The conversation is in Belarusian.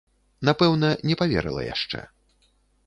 Напэўна, не паверыла яшчэ.